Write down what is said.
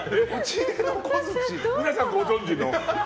皆さんご存じの。